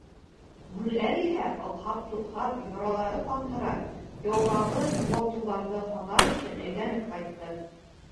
Бүреләр иһә аҡһап-туҡһап, яралары ҡанһырап, яуҙағы юғалтыуҙарҙы һанар өсөн әйләнеп ҡайтты.